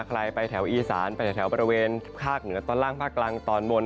ใครไปแถวอีสานไปแถวบริเวณภาคเหนือตอนล่างภาคกลางตอนบน